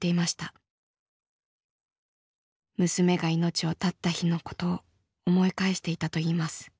娘が命を絶った日のことを思い返していたといいます。